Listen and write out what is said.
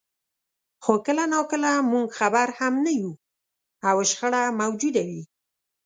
خو کله ناکله موږ خبر هم نه یو او شخړه موجوده وي.